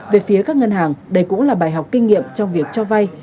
về phía các ngân hàng đây cũng là bài học kinh nghiệm trong việc cho vay